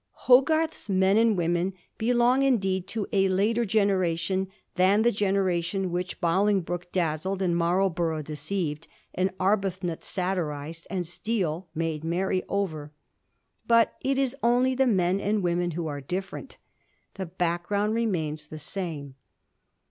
Hogarth's men and women belong indeed to a later generation than the generation which Bolingbroke dazzled, and Marl borough deceived, and Arbuthnot satirised, and Steele made merry over. But it is only the men and women who are different ; the background remains the same.